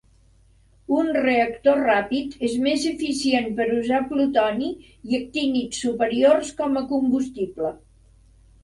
Un reactor ràpid és més eficient per usar plutoni i actínids superiors com a combustible.